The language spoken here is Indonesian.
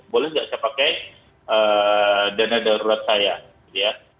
boleh nggak saya pakai dana darurat saya gitu ya